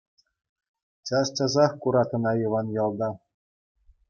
Час-часах курать ӑна Иван ялта.